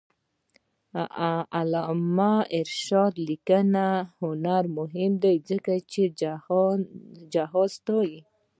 د علامه رشاد لیکنی هنر مهم دی ځکه چې جهاد ستايي.